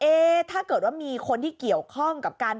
ถ้าเกิดว่ามีคนที่เกี่ยวข้องกับการ